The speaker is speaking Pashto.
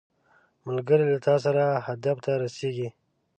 ملګری له تا سره هدف ته رسیږي